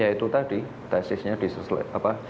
ya itu tadi tesisnya disesuaikan apa